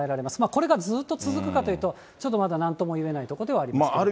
これがずっと続くかというと、ちょっとまだなんとも言えないところでありますけれども。